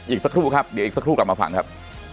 อีกสักครู่ครับเดี๋ยวอีกสักครู่กลับมาฟังครับ